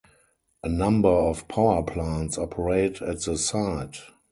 A number of power plants operate at the site.